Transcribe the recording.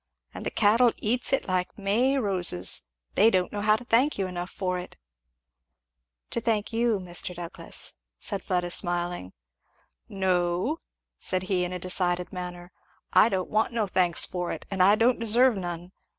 and the cattle eats it like May roses they don't know how to thank you enough for it." "To thank you, Mr. Douglass," said Fleda smiling. "No," said he in a decided manner, "I don't want no thanks for it, and I don't deserve none!